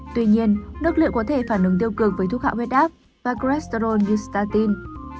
tuy nhiên nước lựu có thể phản ứng tiêu cường với thuốc hạ huyết áp và cholesterol như statin